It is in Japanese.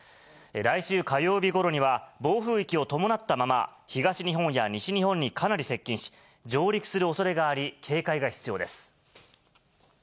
来週火曜日ごろには暴風域を伴ったまま、東日本や西日本にかなり接近し、上陸するおそれがあり、警戒が必要です。